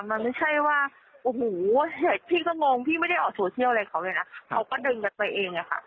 มันไม่ใช่ว่าพี่ก็งงพี่ไม่ได้ออกชูเที่ยวอะไรกับเขาดึงกันไปเอง